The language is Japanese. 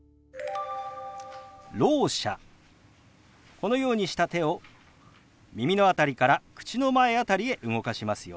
このようにした手を耳の辺りから口の前辺りへ動かしますよ。